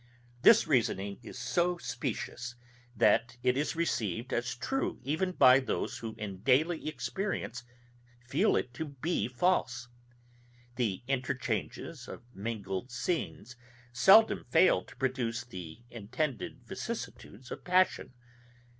This reasoning is so specious, that it is received as true even by those who in daily experience feel it to be false. The interchanges of mingled scenes seldom fail to produce the intended vicissitudes of passion.